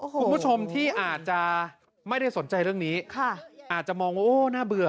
คุณผู้ชมที่อาจจะไม่ได้สนใจเรื่องนี้อาจจะมองว่าโอ้น่าเบื่อ